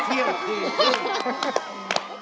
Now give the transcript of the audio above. เยี่ยมที่